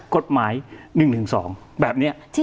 กล็อตหมาย๑๑๒แบบเนี่ย